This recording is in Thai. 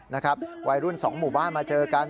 นะครับวัยรุ่นสองหมู่บ้านมาเจอกัน